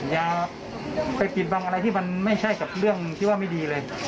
อย่าไปปิดบังอะไรที่มันไม่ใช่กับเรื่องที่ว่าไม่ดีเลย